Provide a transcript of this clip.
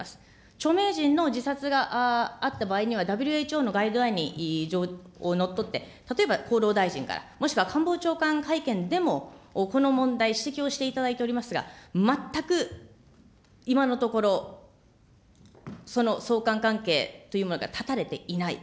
著名人の自殺があった場合には、ＷＨＯのガイドラインにのっとって、例えば、厚労大臣から、もしくは官房長官会見でも、この問題、指摘をしていただいておりますが、全く今のところ、その相関関係というものが絶たれていない。